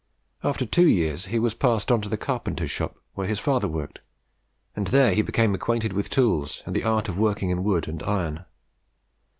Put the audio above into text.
After two years, he was passed on to the carpenter's shop where his father worked, and there he became acquainted with tools and the art of working in wood and iron.